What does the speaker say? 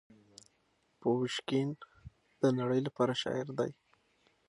پوشکین د نړۍ لپاره شاعر دی.